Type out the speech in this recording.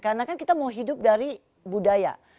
karena kan kita mau hidup dari budaya